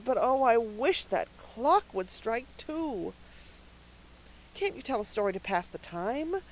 But oh, I wish that clock would strike two." "Can't you tell us a story to pass the time?"